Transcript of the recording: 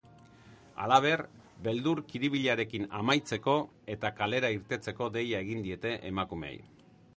Halaber, beldur-kiribilarekin amaitzeko eta kalera irtetzeko deia egin diete emakumeei.